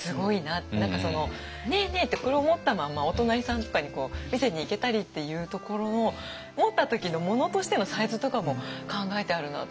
何か「ねえねえ」ってこれを持ったまんまお隣さんとかに見せに行けたりっていうところの持った時の物としてのサイズとかも考えてあるなと思ってすごいと。